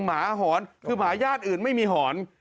หมาหอนคือหมาญาติอื่นไม่มีหอน